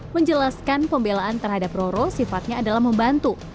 menjelaskan pembelaan terhadap roro sifatnya adalah membantu